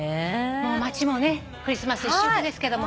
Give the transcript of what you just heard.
もう街もねクリスマス一色ですけども。